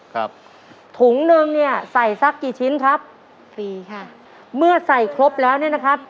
ครับถุงหนึ่งเนี้ยใส่สักกี่ชิ้นครับฟรีค่ะเมื่อใส่ครบแล้วเนี่ยนะครับ